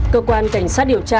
cơ quan cảnh sát điều tra